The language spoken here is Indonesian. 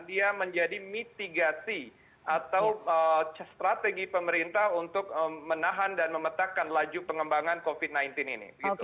dia menjadi mitigasi atau strategi pemerintah untuk menahan dan memetakkan laju pengembangan covid sembilan belas ini